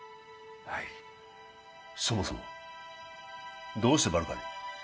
はいそもそもどうしてバルカに？